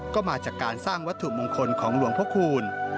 ก็มาจากการสร้างวัตถุมงคลของหลวงพระคูณ